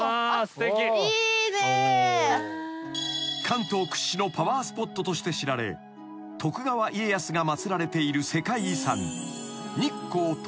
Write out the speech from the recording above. ［関東屈指のパワースポットとして知られ徳川家康が祭られている］